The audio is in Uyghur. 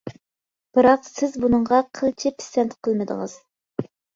بىراق سىز بۇنىڭغا قىلچە پىسەنت قىلمىدىڭىز.